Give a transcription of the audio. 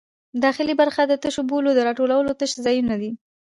داخلي برخه د تشو بولو د راټولولو تش ځایونه دي.